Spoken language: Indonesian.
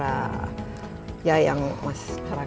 jadi itu yang paling penting